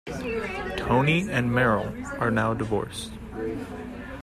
Toni and Merril are now divorced.